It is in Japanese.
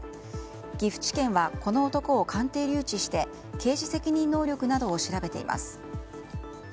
岐阜地検はこの男を鑑定留置して刑事責任能力などを調べています。